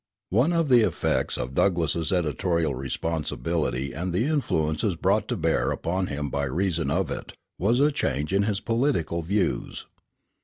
One of the effects of Douglass's editorial responsibility and the influences brought to bear upon him by reason of it, was a change in his political views.